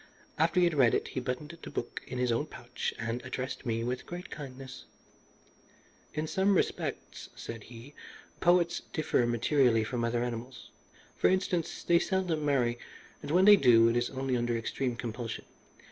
After he had read it he buttoned the book in his own pouch and addressed me with great kindness "In some respects," said he, "poets differ materially from other animals. For instance, they seldom marry, and when they do it is only under extreme compulsion.